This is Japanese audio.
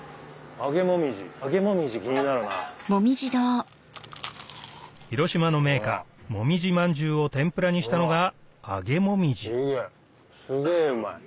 揚げもみじ気になるな。を天ぷらにしたのが揚げもみじすげぇうまい。